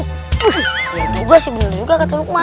wih iya juga sih bener juga kata lukman